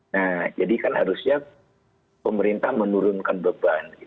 nah jadikan harusnya pemerintah menurunkan beban